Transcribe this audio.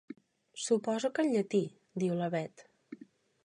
Suposo que en llatí—diu la Bet.